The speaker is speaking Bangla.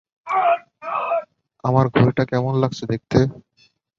আমার ঘুড়িটা কেমন লাগছে দেখতে?